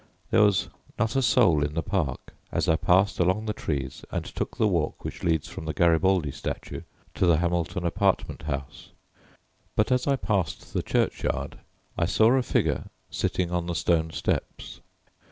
There was not a soul in the park as I passed along the trees and took the walk which leads from the Garibaldi statue to the Hamilton Apartment House, but as I passed the churchyard I saw a figure sitting on the stone steps.